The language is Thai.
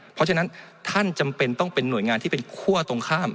เพราะฉะนั้นท่านจำเป็นต้องเป็นหน่วยงานที่เป็นคั่วตรงข้าม